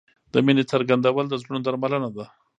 د مینې څرګندول د زړونو درملنه ده.